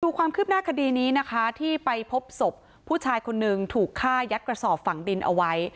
ความคืบหน้าคดีนี้นะคะที่ไปพบศพผู้ชายคนหนึ่งถูกฆ่ายัดกระสอบฝั่งดินเอาไว้